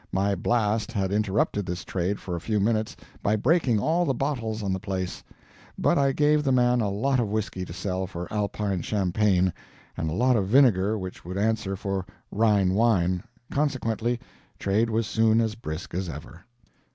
My blast had interrupted this trade for a few minutes, by breaking all the bottles on the place; but I gave the man a lot of whiskey to sell for Alpine champagne, and a lot of vinegar which would answer for Rhine wine, consequently trade was soon as brisk as ever.